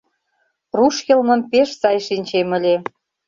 Руш йылмым пеш сай шинчем ыле.